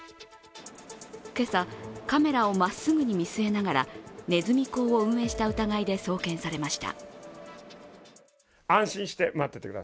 今朝、カメラをまっすぐに見据えながらねずみ講を運営した疑いで逮捕されました。